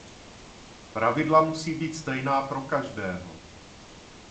Pravidla musí být stejná pro každého.